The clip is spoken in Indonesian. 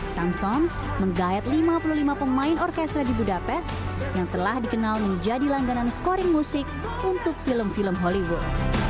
samsons menggayat lima puluh lima pemain orkestra di budapest yang telah dikenal menjadi langganan scoring musik untuk film film hollywood